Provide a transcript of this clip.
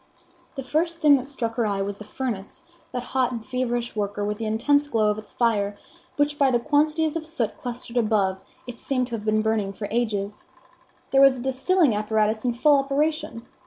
The first thing that struck her eye was the furnace, that hot and feverish worker, with the intense glow of its fire, which by the quantities of soot clustered above it seemed to have been burning for ages. There was a distilling apparatus in full operation.